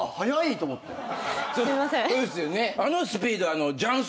すいません。